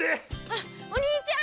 あっお兄ちゃん！